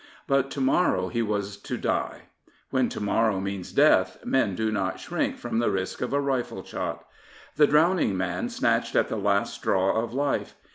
But to morrow he was to die. When to morrow means death, men do not shrink from the risk of a rifle shot. The drowning man snatched at the last straw of life.